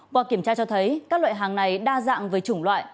qua kiểm tra cho thấy các loại hàng này đa dạng với chủng loại